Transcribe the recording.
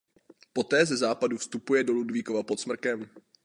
Poté ze západu vstupuje do Ludvíkova pod Smrkem.